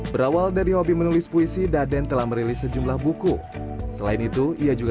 berawal dari hobi menulis puisi daden telah merilis sejumlah buku selain itu ia juga